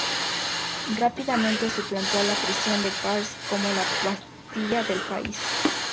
Rápidamente suplantó a la prisión de Qasr como la "Bastilla" del país.